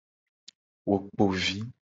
Wo kpo vi.